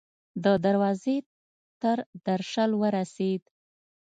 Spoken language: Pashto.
د دروازې تر درشل ورسیدل